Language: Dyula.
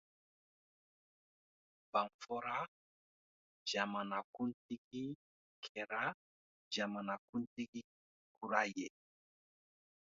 Banfora jamanakuntigi kɛra jamanakuntigi kura ye.